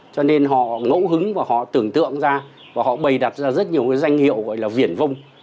cho nên họ ngẫu hứng và họ tưởng tượng ra và họ bày đặt ra rất nhiều cái danh hiệu gọi là viển vong